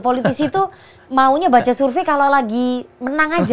politisi itu maunya baca survei kalau lagi menang aja